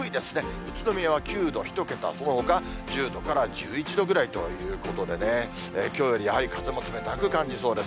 宇都宮は９度、１桁、そのほか１０度から１１度ぐらいということでね、きょうよりやはり風も冷たく感じそうです。